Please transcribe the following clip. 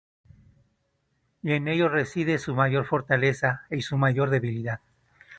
Y en ello reside su mayor fortaleza y su mayor debilidad.